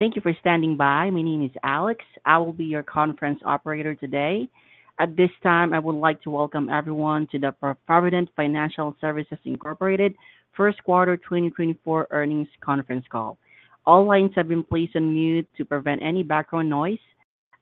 Thank you for standing by. My name is Alex. I will be your conference operator today. At this time, I would like to welcome everyone to the Provident Financial Services Incorporated First Quarter 2024 Earnings Conference Call. All lines have been placed on mute to prevent any background noise.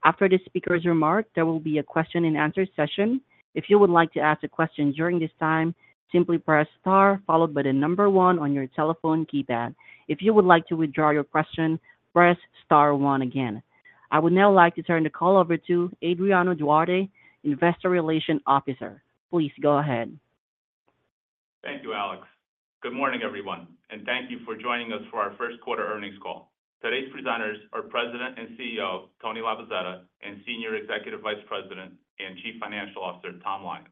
After the speaker's remark, there will be a question-and-answer session. If you would like to ask a question during this time, simply press star followed by the number one on your telephone keypad. If you would like to withdraw your question, press star one again. I would now like to turn the call over to Adriano Duarte, Investor Relations Officer. Please go ahead. Thank you, Alex. Good morning, everyone, and thank you for joining us for our First Quarter Earnings Call. Today's presenters are President and CEO Tony Labozzetta and Senior Executive Vice President and Chief Financial Officer Tom Lyons.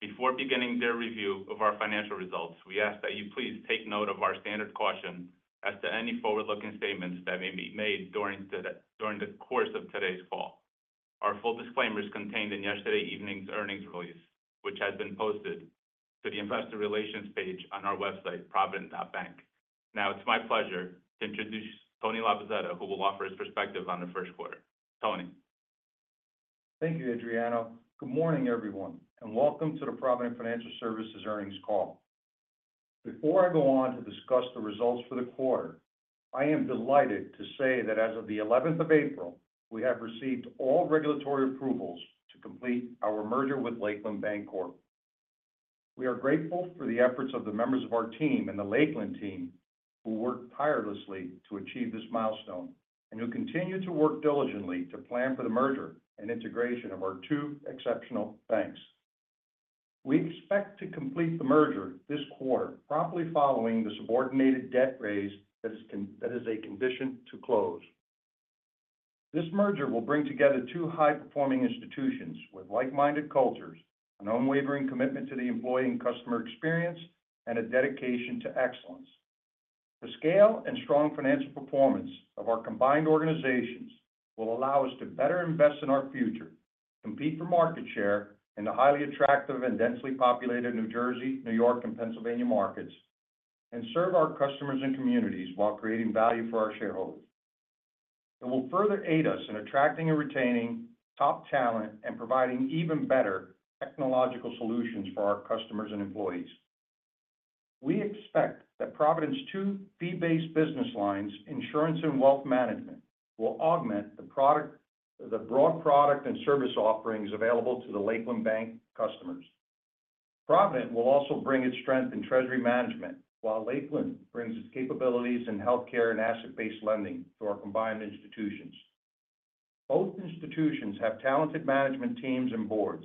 Before beginning their review of our financial results, we ask that you please take note of our standard caution as to any forward-looking statements that may be made during the course of today's call. Our full disclaimer is contained in yesterday evening's earnings release, which has been posted to the Investor Relations page on our website, provident.bank. Now, it's my pleasure to introduce Tony Labozzetta, who will offer his perspective on the first quarter. Tony. Thank you, Adriano. Good morning, everyone, and welcome to the Provident Financial Services Earnings Call. Before I go on to discuss the results for the quarter, I am delighted to say that as of the 11th of April, we have received all regulatory approvals to complete our merger with Lakeland Bancorp. We are grateful for the efforts of the members of our team and the Lakeland team who worked tirelessly to achieve this milestone and who continue to work diligently to plan for the merger and integration of our two exceptional banks. We expect to complete the merger this quarter, promptly following the subordinated debt raise that is a condition to close. This merger will bring together two high-performing institutions with like-minded cultures, an unwavering commitment to the employee and customer experience, and a dedication to excellence. The scale and strong financial performance of our combined organizations will allow us to better invest in our future, compete for market share in the highly attractive and densely populated New Jersey, New York, and Pennsylvania markets, and serve our customers and communities while creating value for our shareholders. It will further aid us in attracting and retaining top talent and providing even better technological solutions for our customers and employees. We expect that Provident's two fee-based business lines, insurance and wealth management, will augment the broad product and service offerings available to the Lakeland Bank customers. Provident will also bring its strength in treasury management, while Lakeland brings its capabilities in healthcare and asset-based lending to our combined institutions. Both institutions have talented management teams and boards,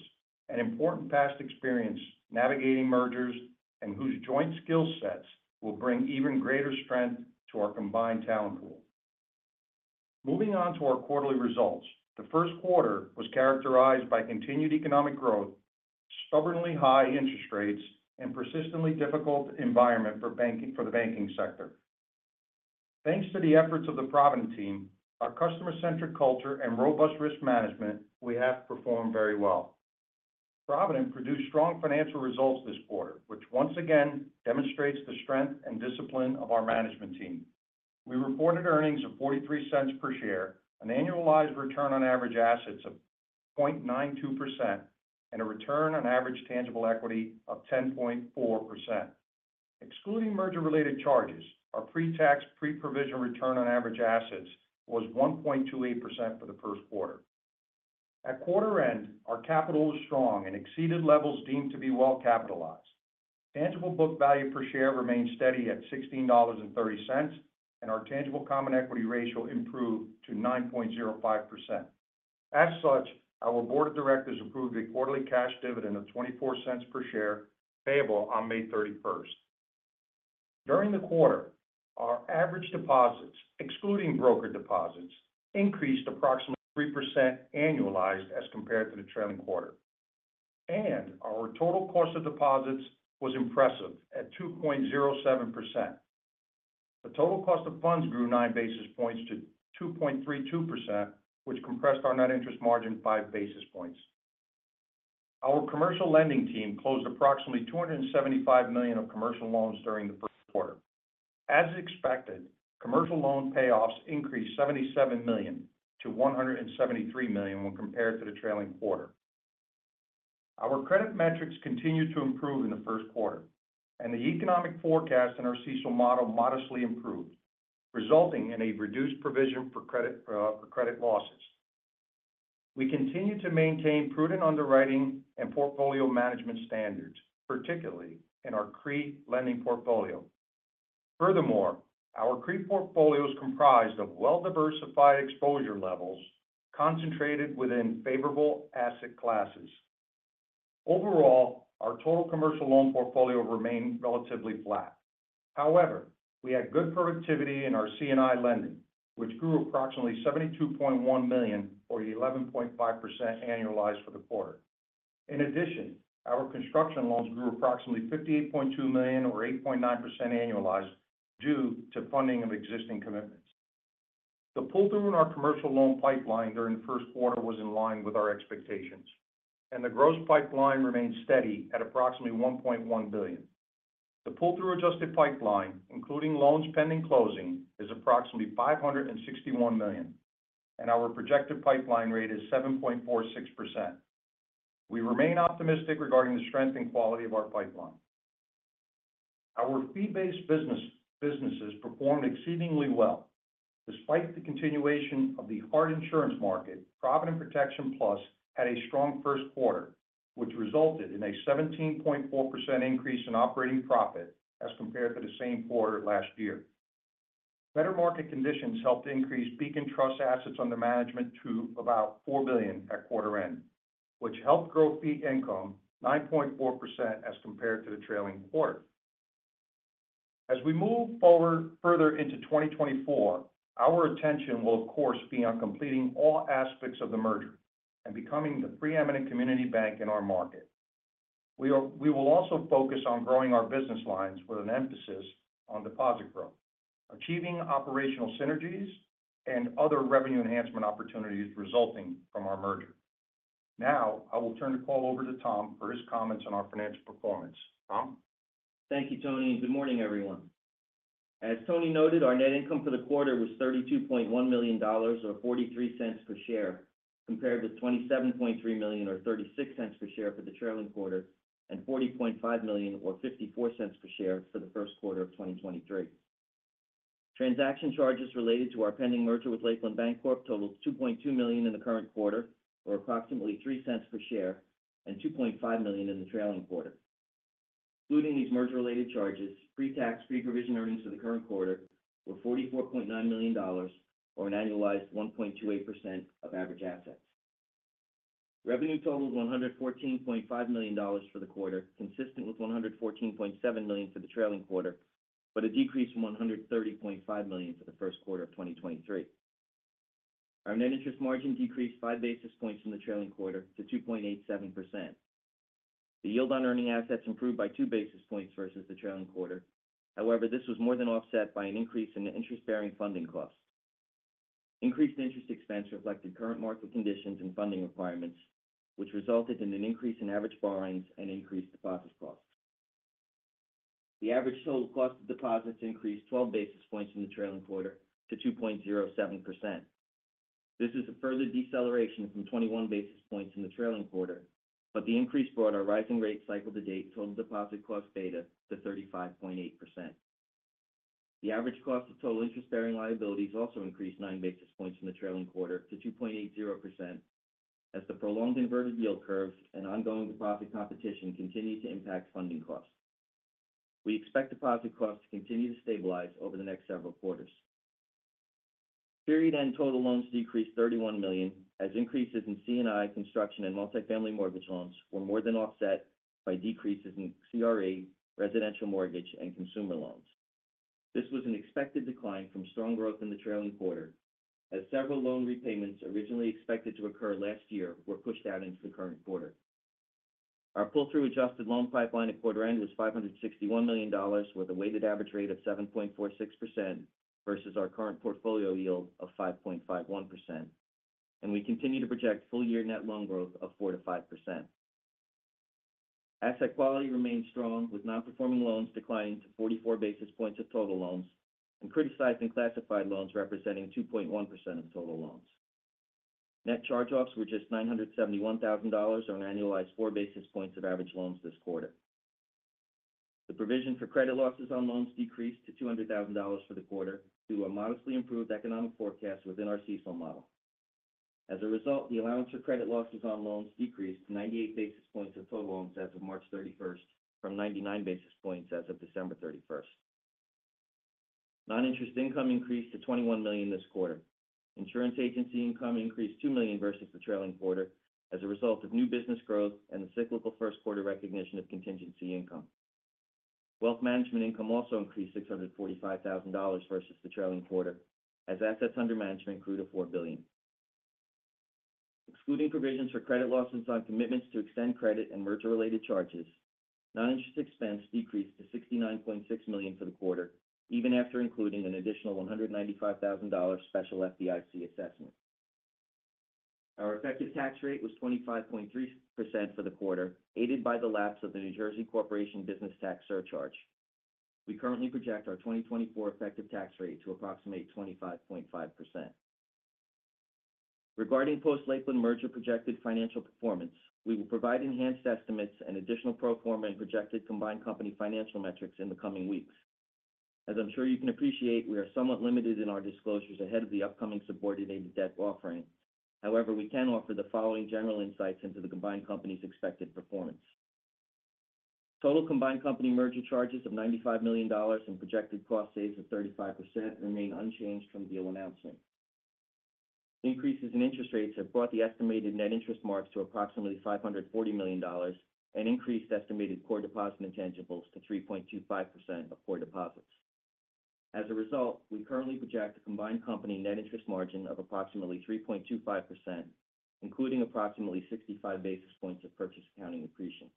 and important past experience navigating mergers and whose joint skill sets will bring even greater strength to our combined talent pool. Moving on to our quarterly results, the first quarter was characterized by continued economic growth, stubbornly high interest rates, and persistently difficult environment for the banking sector. Thanks to the efforts of the Provident team, our customer-centric culture and robust risk management, we have performed very well. Provident produced strong financial results this quarter, which once again demonstrates the strength and discipline of our management team. We reported earnings of $0.43 per share, an annualized return on average assets of 0.92%, and a return on average tangible equity of 10.4%. Excluding merger-related charges, our pre-tax, pre-provision return on average assets was 1.28% for the first quarter. At quarter end, our capital was strong and exceeded levels deemed to be well capitalized. Tangible book value per share remained steady at $16.30, and our tangible common equity ratio improved to 9.05%. As such, our board of directors approved a quarterly cash dividend of $0.24 per share payable on May 31st. During the quarter, our average deposits, excluding broker deposits, increased approximately 3% annualized as compared to the trailing quarter, and our total cost of deposits was impressive at 2.07%. The total cost of funds grew 9 basis points to 2.32%, which compressed our net interest margin 5 basis points. Our commercial lending team closed approximately $275 million of commercial loans during the first quarter. As expected, commercial loan payoffs increased $77 million to $173 million when compared to the trailing quarter. Our credit metrics continued to improve in the first quarter, and the economic forecast and our CECL model modestly improved, resulting in a reduced provision for credit losses. We continue to maintain prudent underwriting and portfolio management standards, particularly in our CRE lending portfolio. Furthermore, our CRE portfolio is comprised of well-diversified exposure levels concentrated within favorable asset classes. Overall, our total commercial loan portfolio remained relatively flat. However, we had good productivity in our C&I lending, which grew approximately $72.1 million, or 11.5% annualized for the quarter. In addition, our construction loans grew approximately $58.2 million, or 8.9% annualized, due to funding of existing commitments. The pull-through in our commercial loan pipeline during the first quarter was in line with our expectations, and the gross pipeline remained steady at approximately $1.1 billion. The pull-through adjusted pipeline, including loans pending closing, is approximately $561 million, and our projected pipeline rate is 7.46%. We remain optimistic regarding the strength and quality of our pipeline. Our fee-based businesses performed exceedingly well. Despite the continuation of the hard insurance market, Provident Protection Plus had a strong first quarter, which resulted in a 17.4% increase in operating profit as compared to the same quarter last year. Better market conditions helped increase Beacon Trust assets under management to about $4 billion at quarter end, which helped grow fee income 9.4% as compared to the trailing quarter. As we move further into 2024, our attention will, of course, be on completing all aspects of the merger and becoming the preeminent community bank in our market. We will also focus on growing our business lines with an emphasis on deposit growth, achieving operational synergies, and other revenue enhancement opportunities resulting from our merger. Now, I will turn the call over to Tom for his comments on our financial performance. Tom. Thank you, Tony. Good morning, everyone. As Tony noted, our net income for the quarter was $32.1 million, or $0.43 per share, compared with $27.3 million, or $0.36 per share for the trailing quarter, and $40.5 million, or $0.54 per share for the first quarter of 2023. Transaction charges related to our pending merger with Lakeland Bancorp totaled $2.2 million in the current quarter, or approximately $0.03 per share, and $2.5 million in the trailing quarter. Including these merger-related charges, pre-tax, pre-provision earnings for the current quarter were $44.9 million, or an annualized 1.28% of average assets. Revenue totaled $114.5 million for the quarter, consistent with $114.7 million for the trailing quarter, but a decrease from $130.5 million for the first quarter of 2023. Our net interest margin decreased 5 basis points in the trailing quarter to 2.87%. The yield on earning assets improved by 2 basis points versus the trailing quarter. However, this was more than offset by an increase in the interest-bearing funding costs. Increased interest expense reflected current market conditions and funding requirements, which resulted in an increase in average borrowings and increased deposit costs. The average total cost of deposits increased 12 basis points in the trailing quarter to 2.07%. This is a further deceleration from 21 basis points in the trailing quarter, but the increase brought our rising rate cycle to date total deposit cost beta to 35.8%. The average cost of total interest-bearing liabilities also increased 9 basis points in the trailing quarter to 2.80%, as the prolonged inverted yield curve and ongoing deposit competition continue to impact funding costs. We expect deposit costs to continue to stabilize over the next several quarters. Period-end total loans decreased $31 million, as increases in C&I construction and multifamily mortgage loans were more than offset by decreases in CRE, residential mortgage, and consumer loans. This was an expected decline from strong growth in the trailing quarter, as several loan repayments originally expected to occur last year were pushed out into the current quarter. Our pull-through adjusted loan pipeline at quarter-end was $561 million, with a weighted average rate of 7.46% versus our current portfolio yield of 5.51%, and we continue to project full-year net loan growth of 4%-5%. Asset quality remained strong, with non-performing loans declining to 44 basis points of total loans and criticized and classified loans representing 2.1% of total loans. Net charge-offs were just $971,000, or an annualized 4 basis points of average loans this quarter. The provision for credit losses on loans decreased to $200,000 for the quarter due to a modestly improved economic forecast within our CECL model. As a result, the allowance for credit losses on loans decreased to 98 basis points of total loans as of March 31st, from 99 basis points as of December 31st. Non-interest income increased to $21 million this quarter. Insurance agency income increased $2 million versus the trailing quarter as a result of new business growth and the cyclical first quarter recognition of contingency income. Wealth management income also increased $645,000 versus the trailing quarter, as assets under management grew to $4 billion. Excluding provisions for credit losses on commitments to extend credit and merger-related charges, non-interest expense decreased to $69.6 million for the quarter, even after including an additional $195,000 special FDIC assessment. Our effective tax rate was 25.3% for the quarter, aided by the lapse of the New Jersey corporate business tax surcharge. We currently project our 2024 effective tax rate to approximate 25.5%. Regarding post-Lakeland merger projected financial performance, we will provide enhanced estimates and additional pro forma and projected combined company financial metrics in the coming weeks. As I'm sure you can appreciate, we are somewhat limited in our disclosures ahead of the upcoming subordinated debt offering. However, we can offer the following general insights into the combined company's expected performance. Total combined company merger charges of $95 million and projected cost saves of 35% remain unchanged from deal announcement. Increases in interest rates have brought the estimated net interest margin to approximately $540 million and increased estimated core deposit intangibles to 3.25% of core deposits. As a result, we currently project a combined company net interest margin of approximately 3.25%, including approximately 65 basis points of purchase accounting accretion.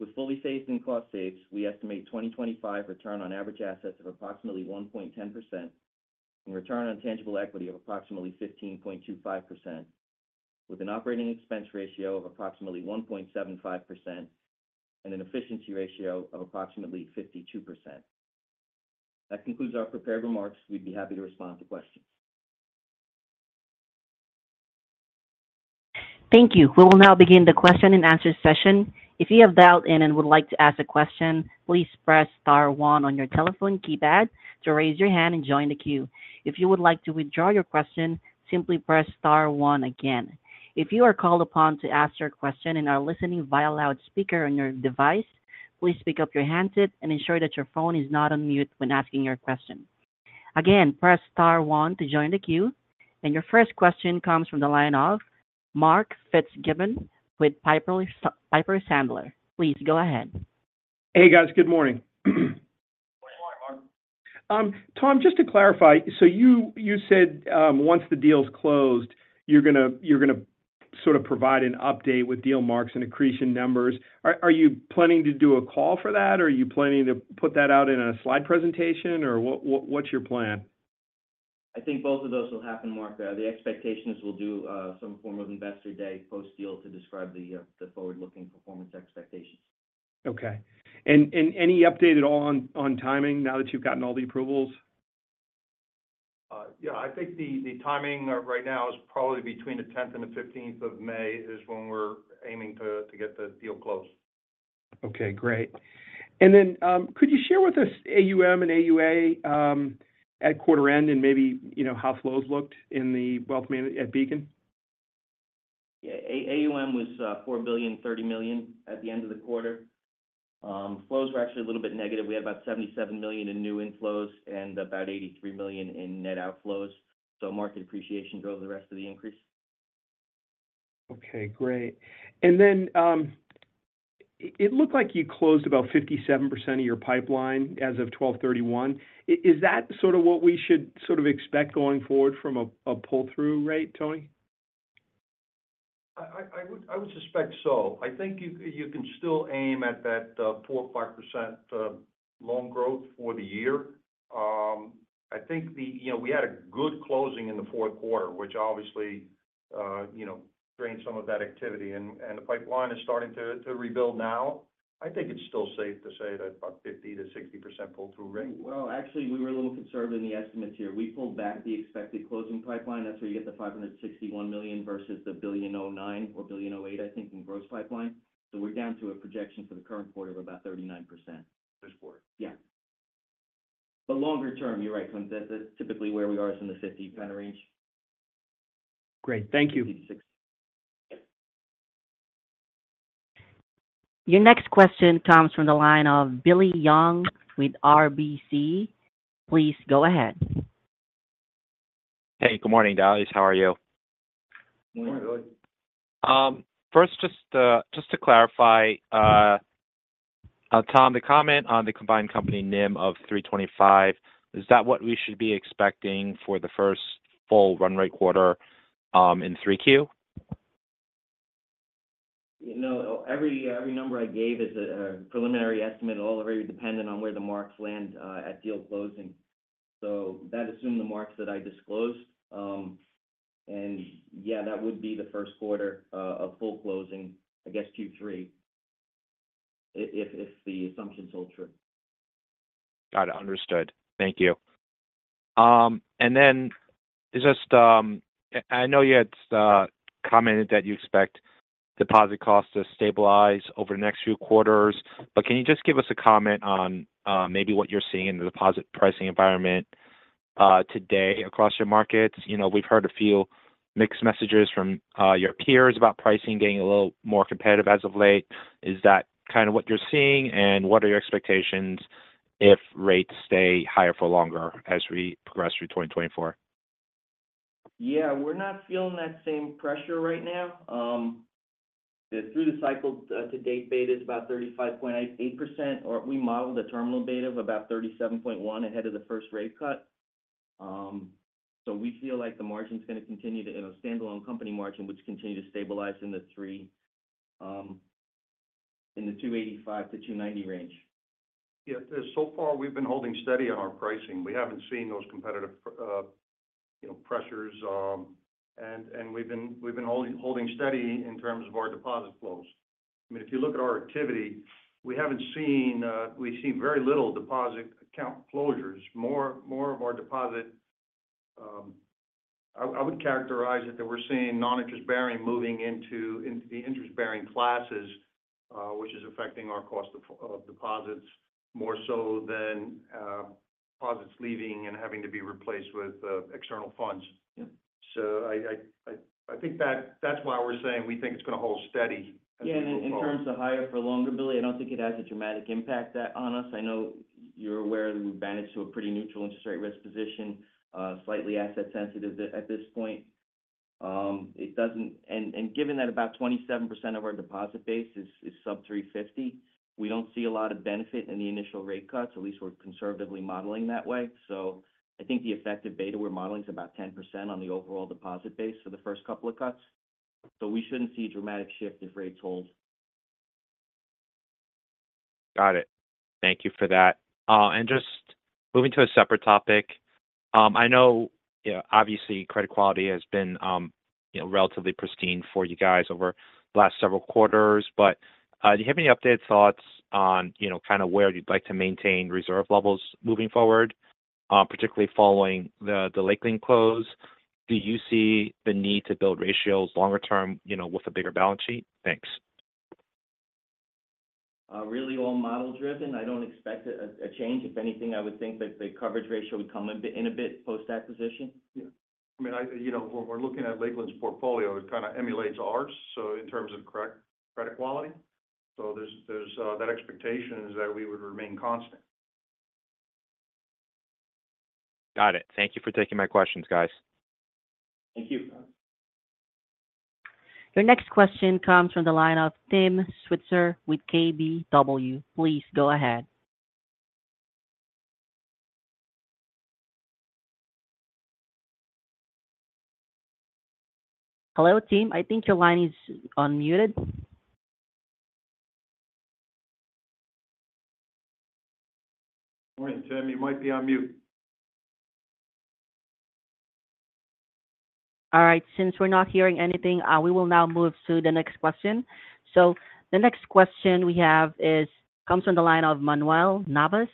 With full savings and cost savings, we estimate 2025 return on average assets of approximately 1.10% and return on tangible equity of approximately 15.25%, with an operating expense ratio of approximately 1.75% and an efficiency ratio of approximately 52%. That concludes our prepared remarks. We'd be happy to respond to questions. Thank you. We will now begin the question and answer session. If you have dialed in and would like to ask a question, please press star one on your telephone keypad to raise your hand and join the queue. If you would like to withdraw your question, simply press star one again. If you are called upon to ask your question in our listening via loudspeaker on your device, please pick up your handset and ensure that your phone is not on mute when asking your question. Again, press star one to join the queue, and your first question comes from the line of Mark Fitzgibbon with Piper Sandler. Please go ahead. Hey, guys. Good morning. Good morning, Mark. Tom, just to clarify, so you said once the deal's closed, you're going to sort of provide an update with deal marks and accretion numbers. Are you planning to do a call for that, or are you planning to put that out in a slide presentation, or what's your plan? I think both of those will happen, Mark. The expectation is we'll do some form of investor day post-deal to describe the forward-looking performance expectations. Okay. And any update at all on timing now that you've gotten all the approvals? Yeah. I think the timing right now is probably between the 10th and the 15th of May, is when we're aiming to get the deal closed. Okay. Great. And then could you share with us AUM and AUA at quarter end and maybe how flows looked in the wealth at Beacon? Yeah. AUM was $4 billion, $30 million at the end of the quarter. Flows were actually a little bit negative. We had about $77 million in new inflows and about $83 million in net outflows. So market appreciation drove the rest of the increase. Okay. Great. And then it looked like you closed about 57% of your pipeline as of 12/31. Is that sort of what we should sort of expect going forward from a pull-through rate, Tony? I would suspect so. I think you can still aim at that 4%-5% loan growth for the year. I think we had a good closing in the fourth quarter, which obviously drained some of that activity, and the pipeline is starting to rebuild now. I think it's still safe to say that about 50%-60% pull-through rate. Well, actually, we were a little conservative in the estimates here. We pulled back the expected closing pipeline. That's where you get the $561 million versus the $1.09 billion or $1.08 billion, I think, in gross pipeline. So we're down to a projection for the current quarter of about 39%. This quarter? Yeah. But longer term, you're right, Tom. That's typically where we are is in the 50 kind of range. Great. Thank you. 50-60. Your next question comes from the line of Billy Young with RBC. Please go ahead. Hey. Good morning, fellas. How are you? Good morning, Billy. First, just to clarify, Tom, the comment on the combined company NIM of 325, is that what we should be expecting for the first full run rate quarter in three-Q? No. Every number I gave is a preliminary estimate already dependent on where the marks land at deal closing. So that assumed the marks that I disclosed. And yeah, that would be the first quarter of full closing, I guess, Q3, if the assumptions hold true. Got it. Understood. Thank you. And then is this? I know you had commented that you expect deposit costs to stabilize over the next few quarters, but can you just give us a comment on maybe what you're seeing in the deposit pricing environment today across your markets? We've heard a few mixed messages from your peers about pricing getting a little more competitive as of late. Is that kind of what you're seeing, and what are your expectations if rates stay higher for longer as we progress through 2024? Yeah. We're not feeling that same pressure right now. Through the cycle to date, beta is about 35.8%, or we modeled a terminal beta of about 37.1 ahead of the first rate cut. So we feel like the margin's going to continue to standalone company margin, which continue to stabilize in the 285-290 range. Yeah. So far, we've been holding steady on our pricing. We haven't seen those competitive pressures, and we've been holding steady in terms of our deposit flows. I mean, if you look at our activity, we haven't seen very little deposit account closures. More of our deposit I would characterize it that we're seeing non-interest bearing moving into the interest-bearing classes, which is affecting our cost of deposits more so than deposits leaving and having to be replaced with external funds. So I think that's why we're saying we think it's going to hold steady as we go forward. Yeah. In terms of higher for longer, Billy, I don't think it has a dramatic impact on us. I know you're aware that we've managed to a pretty neutral interest rate risk position, slightly asset-sensitive at this point. Given that about 27% of our deposit base is sub 350, we don't see a lot of benefit in the initial rate cuts, at least we're conservatively modeling that way. I think the effective beta we're modeling is about 10% on the overall deposit base for the first couple of cuts. We shouldn't see a dramatic shift if rates hold. Got it. Thank you for that. Just moving to a separate topic, I know obviously, credit quality has been relatively pristine for you guys over the last several quarters, but do you have any updated thoughts on kind of where you'd like to maintain reserve levels moving forward, particularly following the Lakeland close? Do you see the need to build ratios longer term with a bigger balance sheet? Thanks. Really all model-driven. I don't expect a change. If anything, I would think that the coverage ratio would come in a bit post-acquisition. Yeah. I mean, when we're looking at Lakeland's portfolio, it kind of emulates ours in terms of credit quality. So that expectation is that we would remain constant. Got it. Thank you for taking my questions, guys. Thank you. Your next question comes from the line of Tim Switzer with KBW. Please go ahead. Hello, Tim. I think your line is unmuted. Morning, Tim. You might be on mute. All right. Since we're not hearing anything, we will now move to the next question. So the next question we have comes from the line of Manuel Navas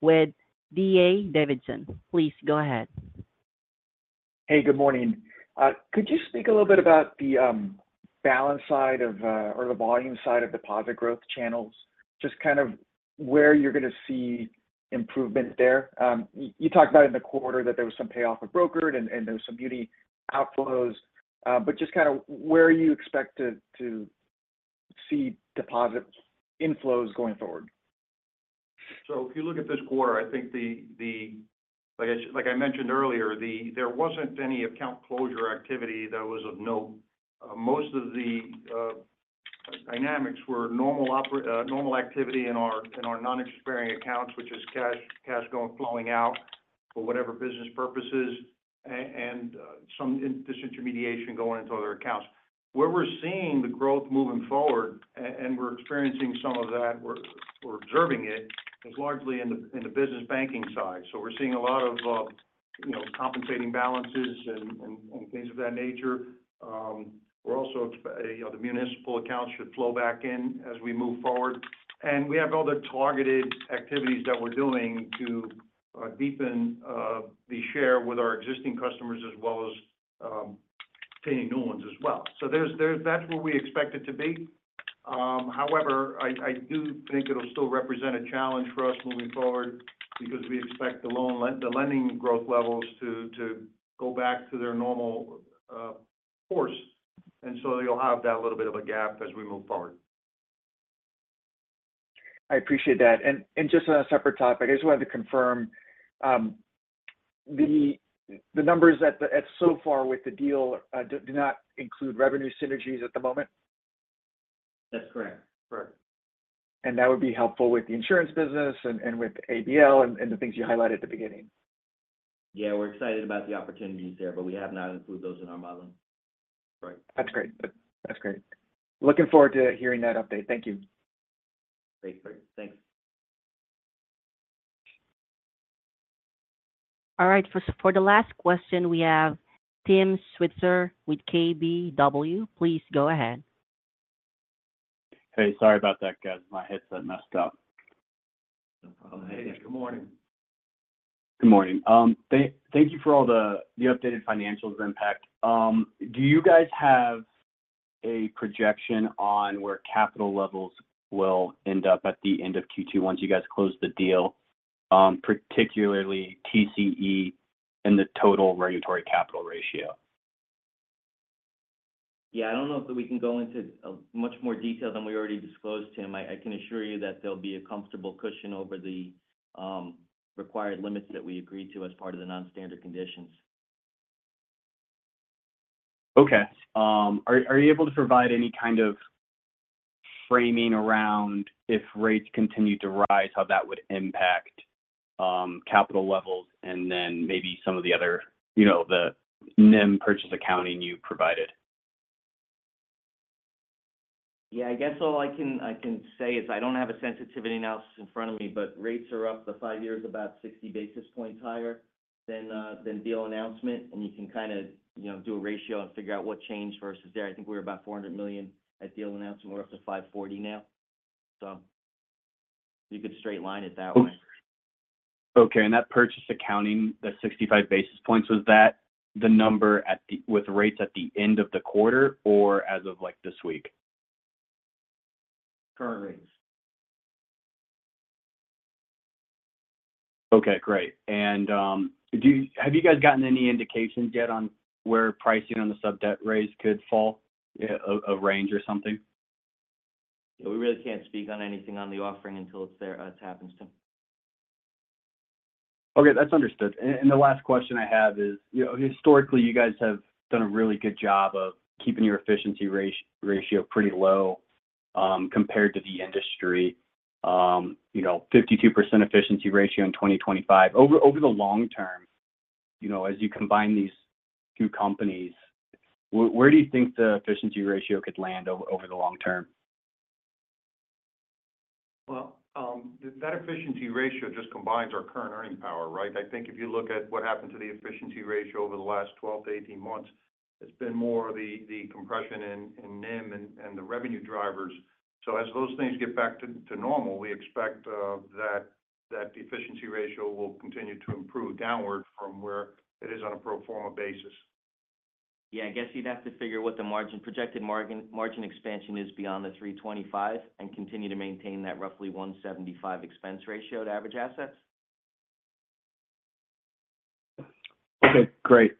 with D.A. Davidson. Please go ahead. Hey. Good morning. Could you speak a little bit about the balance side or the volume side of deposit growth channels, just kind of where you're going to see improvement there? You talked about in the quarter that there was some payoff of brokered and there was some CD outflows, but just kind of where you expect to see deposit inflows going forward? So if you look at this quarter, I think, like I mentioned earlier, there wasn't any account closure activity that was of note. Most of the dynamics were normal activity in our non-interest bearing accounts, which is cash flowing out for whatever business purposes and some disintermediation going into other accounts. Where we're seeing the growth moving forward, and we're experiencing some of that, we're observing it, is largely in the business banking side. So we're seeing a lot of compensating balances and things of that nature. Also, the municipal accounts should flow back in as we move forward. And we have other targeted activities that we're doing to deepen the share with our existing customers as well as obtaining new ones as well. So that's where we expect it to be. However, I do think it'll still represent a challenge for us moving forward because we expect the lending growth levels to go back to their normal course. And so you'll have that little bit of a gap as we move forward. I appreciate that. Just on a separate topic, I just wanted to confirm, the numbers so far with the deal do not include revenue synergies at the moment? That's correct. Correct. That would be helpful with the insurance business and with ABL and the things you highlighted at the beginning. Yeah. We're excited about the opportunities there, but we have not included those in our model. Correct. That's great. That's great. Looking forward to hearing that update. Thank you. Great. Great. Thanks. All right. For the last question, we have Tim Switzer with KBW. Please go ahead. Hey. Sorry about that, guys. My headset messed up. No problem. Hey. Good morning. Good morning. Thank you for all the updated financials impact. Do you guys have a projection on where capital levels will end up at the end of Q2 once you guys close the deal, particularly TCE and the total regulatory capital ratio? Yeah. I don't know if we can go into much more detail than we already disclosed, Tim. I can assure you that there'll be a comfortable cushion over the required limits that we agreed to as part of the non-standard conditions. Okay. Are you able to provide any kind of framing around if rates continue to rise, how that would impact capital levels, and then maybe some of the other NIM purchase accounting you provided? Yeah. I guess all I can say is I don't have a sensitivity analysis in front of me, but rates are up the five years about 60 basis points higher than deal announcement. And you can kind of do a ratio and figure out what changed versus there. I think we were about $400 million at deal announcement. We're up to $540 million now, so you could straight-line it that way. Okay. And that purchase accounting, the 65 basis points, was that the number with rates at the end of the quarter or as of this week? Current rates. Okay. Great. Have you guys gotten any indications yet on where pricing on the sub debt raise could fall, a range or something? Yeah. We really can't speak on anything on the offering until it's there as it happens, Tim. Okay. That's understood. The last question I have is, historically, you guys have done a really good job of keeping your efficiency ratio pretty low compared to the industry, 52% efficiency ratio in 2025. Over the long term, as you combine these two companies, where do you think the efficiency ratio could land over the long term? Well, that efficiency ratio just combines our current earning power, right? I think if you look at what happened to the efficiency ratio over the last 12-18 months, it's been more the compression in NIM and the revenue drivers. So as those things get back to normal, we expect that the efficiency ratio will continue to improve downward from where it is on a pro forma basis. Yeah. I guess you'd have to figure what the projected margin expansion is beyond the 325 and continue to maintain that roughly 175 expense ratio to average assets. Okay. Great.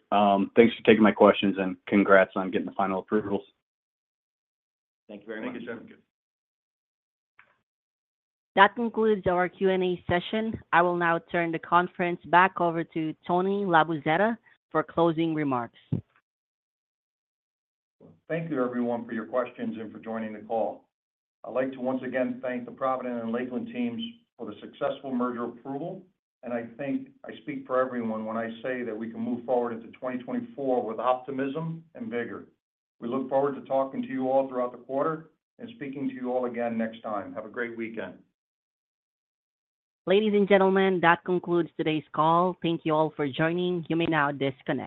Thanks for taking my questions, and congrats on getting the final approvals. Thank you very much. Thank you, gentlemen. That concludes our Q&A session. I will now turn the conference back over to Tony Labozzetta for closing remarks. Thank you, everyone, for your questions and for joining the call. I'd like to once again thank the Provident and Lakeland teams for the successful merger approval. I speak for everyone when I say that we can move forward into 2024 with optimism and vigor. We look forward to talking to you all throughout the quarter and speaking to you all again next time. Have a great weekend. Ladies and gentlemen, that concludes today's call. Thank you all for joining. You may now disconnect.